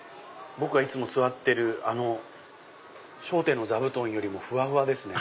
僕がいつも座ってる『笑点』の座布団よりもふわふわですね。